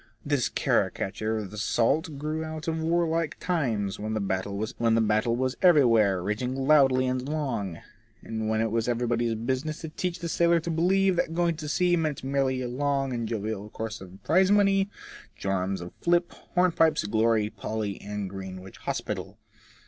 This caricature of the salt grew out of war like times, when the battle was everywhere raging loud and long, and when it was everybody's businiess to teach the sailor to believe that going to sea meant merely a long and jovial course of prize money, jorums of flip, hornpipes, glory, Polly, and Greenwich Hospital.